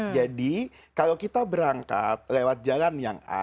jadi kalau kita berangkat lewat jalan yang a